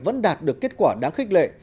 vẫn đạt được kết quả đáng khích lệ